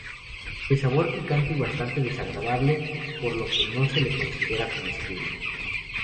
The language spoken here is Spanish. De sabor picante y bastante desagradable, por lo que no se le considera comestible.